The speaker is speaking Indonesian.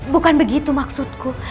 bukan begitu maksudku